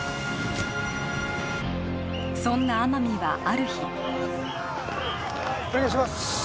そんな天海はある日お願いします